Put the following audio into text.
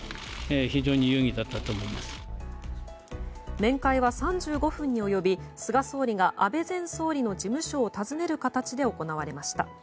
面会は３５分に及び菅総理が安倍前総理の事務所を訪ねる形で行われました。